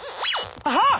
あっ！